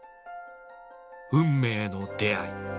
運命の出会い。